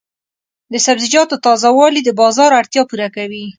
د سبزیجاتو تازه والي د بازار اړتیا پوره کوي.